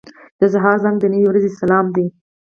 • د سهار زنګ د نوې ورځې سلام دی.